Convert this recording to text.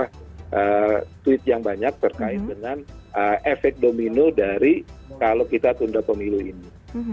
ada tweet yang banyak terkait dengan efek domino dari kalau kita tunda pemilu ini